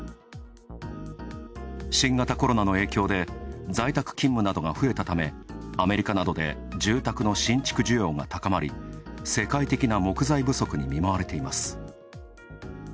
新型コロナの影響で在宅勤務などが増えたためアメリカなどで住宅の新築需要が高まり、世界的な木材不足に見舞われています。